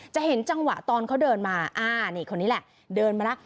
เห็นจังหวะตอนเขาเดินมาอ่านี่คนนี้แหละเดินมาแล้ว